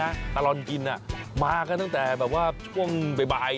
ในวันนี้นะตลอดกินน่ะมาก็ตั้งแต่แบบว่าช่วงบ่าย